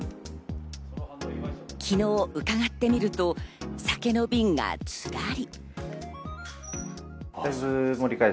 昨日伺ってみると、酒の瓶がずらり。